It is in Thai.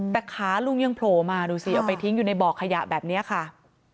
แต่ขาลุงยังโผล่มาดูสิเอาไปทิ้งอยู่ในบ่อขยะแบบนี้ค่ะ